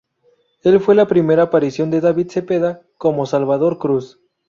El fue la primera aparición de David Zepeda como Salvador Cruz.